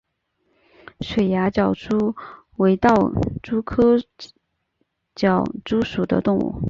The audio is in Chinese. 水涯狡蛛为盗蛛科狡蛛属的动物。